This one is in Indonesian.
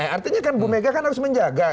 artinya kan ibu mega harus menjaga